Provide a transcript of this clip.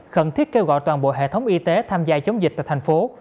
khẩn thiết kêu gọi toàn bộ hệ thống y tế tham gia chống dịch tại thành phố